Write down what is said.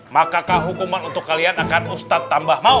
maka hukuman untuk kalian akan ustadz tambah mau